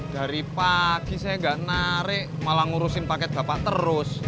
dari pagi saya nggak narik malah ngurusin paket bapak terus